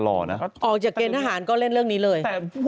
ออกจากเกณฑหารก็เล่นเรื่องนี้เลย